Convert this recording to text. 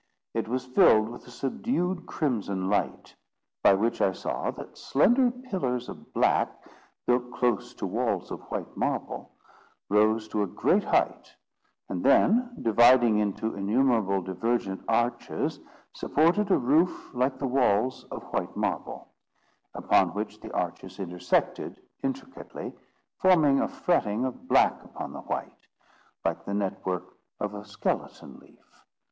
It was filled with a subdued crimson light; by which I saw that slender pillars of black, built close to walls of white marble, rose to a great height, and then, dividing into innumerable divergent arches, supported a roof, like the walls, of white marble, upon which the arches intersected intricately, forming a fretting of black upon the white, like the network of a skeleton leaf.